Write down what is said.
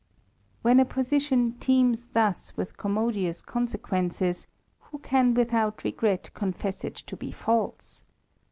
When a position teems thiis with commodious conse quences, who can without regret confess it to be false?